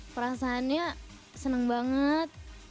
perasaannya senang banget